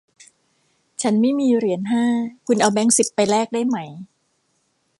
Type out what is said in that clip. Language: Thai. ฉันไม่มีเหรียญห้า คุณเอาแบงค์สิบไปแลกได้ไหม